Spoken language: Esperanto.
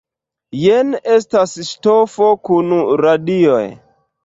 Jen estas ŝtofo kun radioj!